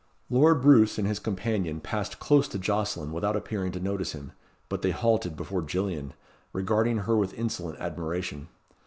Lord Roos and his companion passed close to Jocelyn without appearing to notice him; but they halted before Gillian, regarding her with insolent admiration.